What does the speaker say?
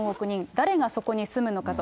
誰がそこに住むのかと。